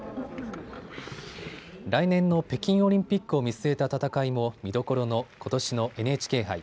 来年の北京オリンピックを見据えた戦いも見どころのことしのＮＨＫ杯。